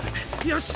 よし！